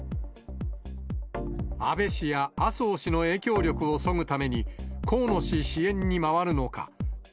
安倍氏や麻生氏の影響力をそぐために、河野氏支援に回るのか。